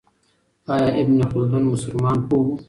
آیا ابن خلدون مسلمان پوه و؟